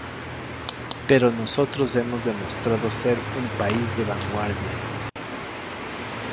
Pero nosotros hemos demostrado ser un país de vanguardia.